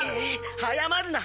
早まるな。